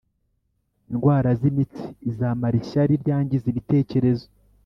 indwara zimitsi izamara ishyari ryangiza ibitekerezo